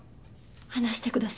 話してください